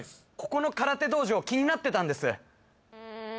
ここの空手道場気になってたんです